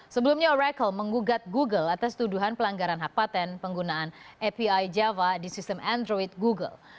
sebelumnya oracle menggugat google atas tuduhan pelanggaran hak patent penggunaan api java di sistem android google